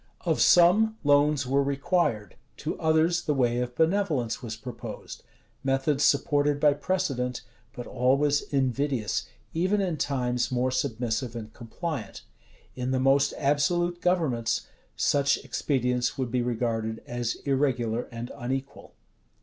Of some, loans were required:[] to others the way of benevolence was proposed: methods supported by precedent, but always invidious, even in times more submissive and compliant. In the most absolute governments, such expedients would be regarded as irregular and unequal.